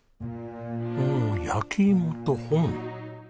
うん焼き芋と本。